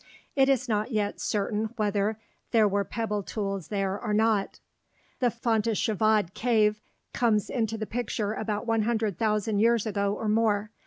It is not yet certain whether there were pebble tools there or not. The Fontéchevade cave comes into the picture about 100,000 years ago or more.